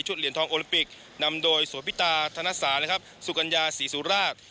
เหรียญทองโอลิปิกนำโดยสวพิตาธนสานะครับสุกัญญาศรีสุราช